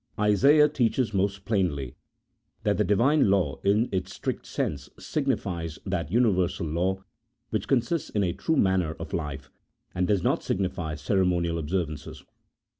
Isaiah teaches most plainly that the Divine law in its strict sense signifies that universal law which consists in a true manner of life, and does not signify ceremonial observances.